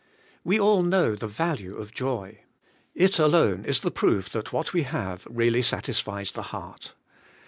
We all know the value of joy. It alone is the proof that what we have really satisfies the heart.